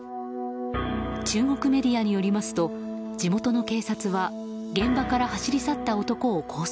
中国メディアによりますと地元の警察は現場から走り去った男を拘束。